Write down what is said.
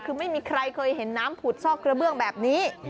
คือไม่มีใครเคยเห็นน้ำผุดซอกกระเบื้องแบบนี้